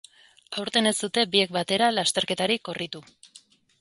Aurten ez dute, biek batera, lasterketarik korritu.